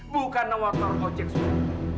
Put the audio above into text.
bukan nanggap aku ojek suara